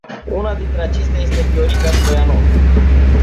Una dintre acestea este Viorica Stoianov.